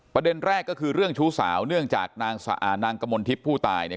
ประเด็นแรกก็คือเรื่องชู้สาวเนื่องจากนางกมลทิพย์ผู้ตายเนี่ย